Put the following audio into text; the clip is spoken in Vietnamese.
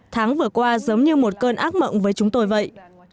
tháng vừa qua giống như một cơn ác mộng với chúng tôi vậy